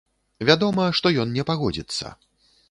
Вядома, што ён не пагодзіцца.